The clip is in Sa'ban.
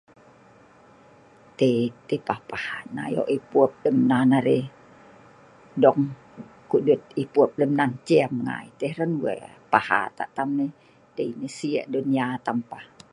Tei. Tei papah nah ayok e'pup lem nan arai dong, kuk dut e'pup lem nan ceim ngai tah yeh hran wea? Pahat lak tam nai.dei sik dunia tam pah.